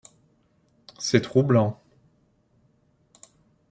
C'est troublant.